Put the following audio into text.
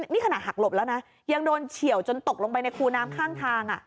นี่ขณะหักหลบแล้วนะยังโดนเฉียวจนตกลงไปในคูน้ำข้างทาง